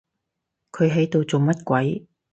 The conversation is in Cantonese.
佢喺度做乜鬼？